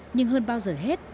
nhưng hơn bao giờ hết